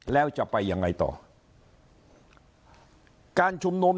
แล้วจะไปยังไงต่อการชุมนุม